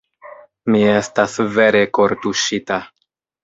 Mi estas vere kortuŝita.